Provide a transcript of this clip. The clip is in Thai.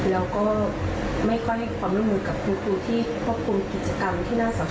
แล้วก็ไม่ค่อยให้ความร่วมมือกับคุณครูที่ควบคุมกิจกรรมที่น่าสัมผัส